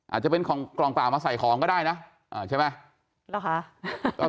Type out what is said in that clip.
อาจจะเป็นกล่องเปล่ามาใส่ของก็ได้นะใช่ไหม